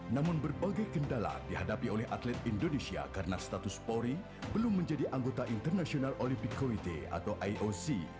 namun berbagai kendala dihadapi oleh atlet indonesia karena status polri belum menjadi anggota international olympic committee atau ioc